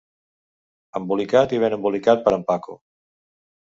Embolicat i ben embolicat per en Paco.